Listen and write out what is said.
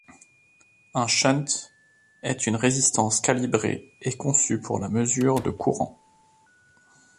Un shunt est une résistance calibrée et conçue pour la mesure de courants.